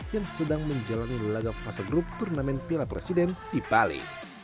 yang sedang menjalani laga fase grup turnamen piala presiden di bali